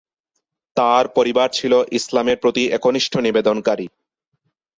তার পরিবার ছিলো ইসলামের প্রতি একনিষ্ঠ নিবেদনকারী।